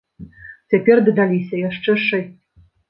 Цяпер дадаліся яшчэ шэсць.